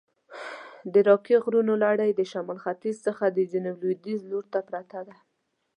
د راکي غرونو لړي د شمال ختیځ څخه د جنوب لویدیځ لورته پرته ده.